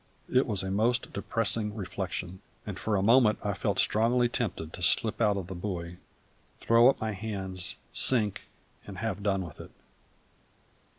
It was a most depressing reflection, and for a moment I felt strongly tempted to slip out of the buoy, throw up my hands, sink, and have done with it.